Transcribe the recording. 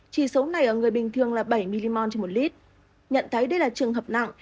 chỉ số này ở người bình thường là bảy mmol trên một lít nhận thấy đây là trường hợp nặng